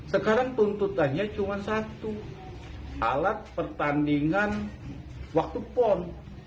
sekarang tuntutannya cuma satu alat pertandingan waktu pon